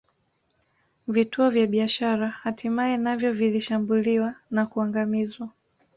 Vituo vya biashara hatimaye navyo vilishambuliwa na kuangamizwa